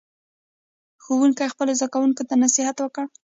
ښوونکي خپلو زده کوونکو ته نصیحت وکړ.